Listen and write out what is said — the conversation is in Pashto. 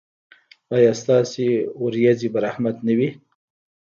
ایا ستاسو ورېځې به رحمت نه وي؟